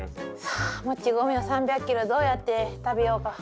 はあもち米を３００キロどうやって食べようか。